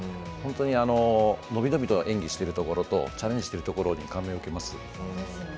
本当にのびのびと演技しているところとチャレンジしているところに感銘を受けます。